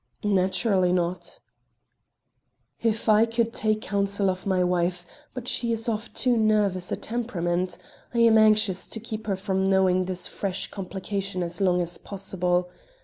"Naturally not." "If I could take counsel of my wife! But she is of too nervous a temperament. I am anxious to keep her from knowing this fresh complication as long as possible.